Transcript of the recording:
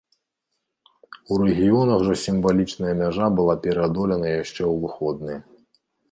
У рэгіёнах жа сімвалічная мяжа была пераадолена яшчэ ў выходныя.